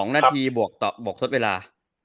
๒นาทีบวกทดเวลา